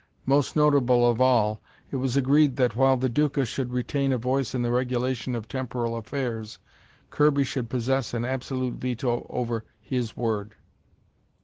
Most notable of all, it was agreed that while the Duca should retain a voice in the regulation of temporal affairs, Kirby should possess an absolute veto over his word.